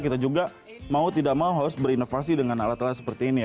kita juga mau tidak mau harus berinovasi dengan alat alat seperti ini ya